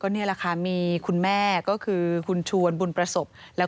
เพราะว่าเดี๋ยวเขากลับมา